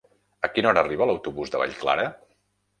A quina hora arriba l'autobús de Vallclara?